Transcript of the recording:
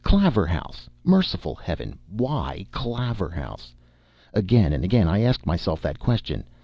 Claverhouse! Merciful heaven, WHY Claverhouse? Again and again I asked myself that question.